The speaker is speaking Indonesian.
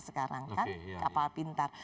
menangkan kapal pintar